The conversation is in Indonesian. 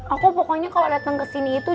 aku pokoknya kalo dateng kesini itu